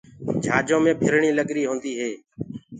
جھآجو مي ڦرڻيٚ لگريٚ هونٚدي هي